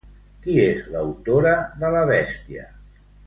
Qui és l'autora de la bèstia?